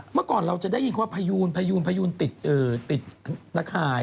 เมื่อก่อนเราจะได้ยินว่าพยูนติดนักข่าย